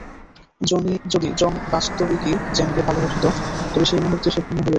যদি জন বাস্তবিকই জেনকে ভালবাসিত, তবে সেই মুহূর্তেই সে পূর্ণ হইয়া যাইত।